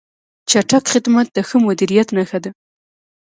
چټک خدمت د ښه مدیریت نښه ده.